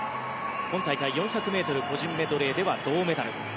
今大会４００ｍ個人メドレーでは銅メダル。